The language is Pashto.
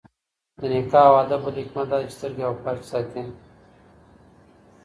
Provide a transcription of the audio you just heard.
د نکاح او واده بل حکمت دادی، چي سترګي او فرج ساتي